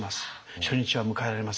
初日は迎えられません」。